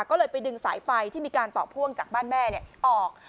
ก็เลยไปดึงสายไฟที่มีการต่อพ่วงจากบ้านแม่ออก